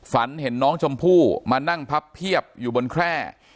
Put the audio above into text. ฝันเห็นน้องชมพู่มานั่งพับเพียบอยู่บนแคร่